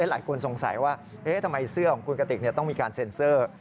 หลายคนสงสัยว่าทำไมเสื้อของคุณกติกต้องมีการเซ็นเซอร์